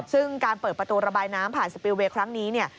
ซึ่งการเปิดประตูระบายน้ำผ่านสปิลเวย์ครั้งนี้เนี่ย